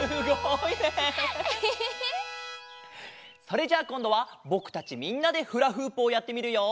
それじゃあこんどはぼくたちみんなでフラフープをやってみるよ。